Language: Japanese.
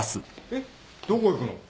えっどこ行くの？